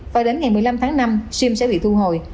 và đến ngày một mươi năm tháng năm sim sẽ bị thu hồi